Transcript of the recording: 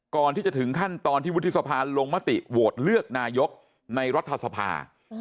ก่อนที่จะถึงขั้นตอนที่วุฒิสภาลงมติโหวตเลือกนายกในรัฐสภา